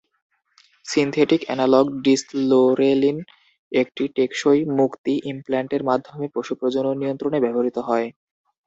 Synthetic analog deslorelin একটি টেকসই-মুক্তি ইমপ্ল্যান্টের মাধ্যমে পশু প্রজনন নিয়ন্ত্রণে ব্যবহৃত হয়।